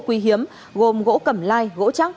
quy hiếm gồm gỗ cầm lai gỗ chắc